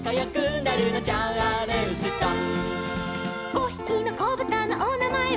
「５ひきのこぶたのおなまえは」